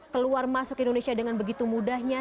keluar masuk indonesia dengan begitu mudahnya